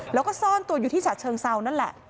แล้วก็ซ่อนตัวอยู่ที่ฉะเชิงเซานั่นแหละ